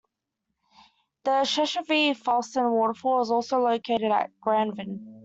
The Skjervefossen waterfall is also located in Granvin.